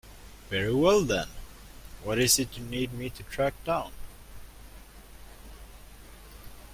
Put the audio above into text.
Very well then, what is it that you need me to track down?